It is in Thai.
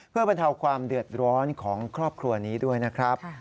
เพื่อบรรเทาความเดือดร้อนของครอบครัวนี้ด้วยนะครับ